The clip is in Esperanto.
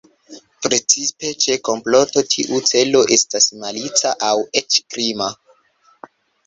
Precipe ĉe komploto tiu celo estas malica aŭ eĉ krima.